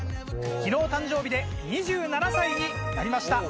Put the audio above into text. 昨日誕生日で２７歳になりました。